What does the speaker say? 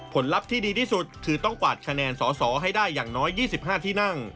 ลัพธ์ที่ดีที่สุดคือต้องกวาดคะแนนสอสอให้ได้อย่างน้อย๒๕ที่นั่ง